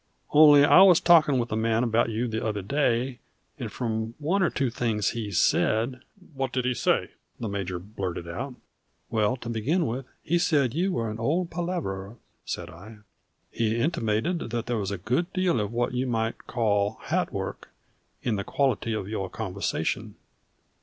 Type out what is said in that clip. "Only I was talking with a man about you the other day, and from one or two things he said " "What did he say?" the major blurted out. "Well, to begin with, he said you were an old palaverer," said I. "He intimated that there was a good deal of what you might call hatwork in the quality of your conversation.